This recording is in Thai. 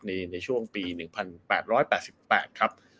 ในช่วงปี๑๘๘ครับ